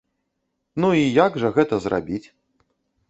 Ну і як жа гэта зрабіць?